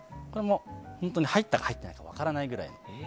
本当に入ったか入っていないか分からないぐらい。